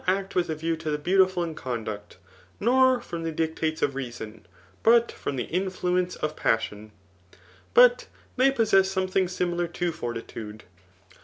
act with a view to the beautifixl in conduct, nor from the dictates of reason, but from the inEuence of passmu But they possess something similar to fortitude.